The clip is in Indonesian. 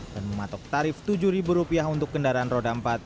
dan mematok tarif tujuh ribu rupiah untuk kendaraan roda empat